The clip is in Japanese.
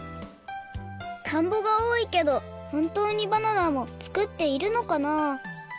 たんぼがおおいけどほんとうにバナナも作っているのかな？